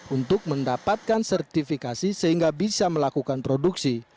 untuk mendapatkan sertifikasi sehingga bisa melakukan produksi